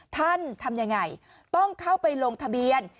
ทำยังไงต้องเข้าไปลงทะเบียน